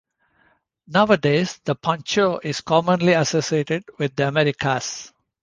Nowadays the poncho is commonly associated with the Americas.